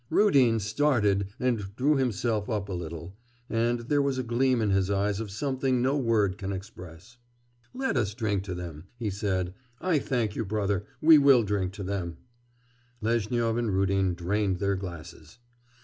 Rudin started and drew himself up a little, and there was a gleam in his eyes of something no word can express. 'Let us drink to them,' he said. 'I thank you, brother, we will drink to them!' Lezhnyov and Rudin drained their glasses.